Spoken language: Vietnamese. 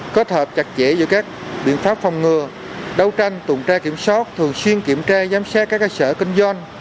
kết hợp chặt chẽ giữa các biện pháp phòng ngừa đấu tranh tuần tra kiểm soát thường xuyên kiểm tra giám sát các cơ sở kinh doanh